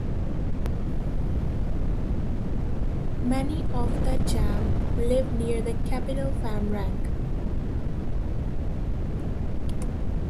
Many of the Cham live near the capital Phan Rang.